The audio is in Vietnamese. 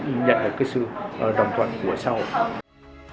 nhận được cái sự đồng toàn của xã hội